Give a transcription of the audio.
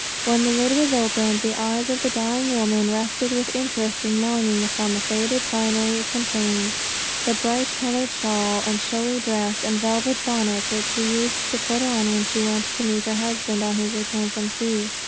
When the lid was open, the eyes of the dying woman rested with interest and longing upon the faded finery it contained the bright coloured shawl, and showy dress, and velvet bonnet, which she used to put on when she went to meet her husband on his return from sea.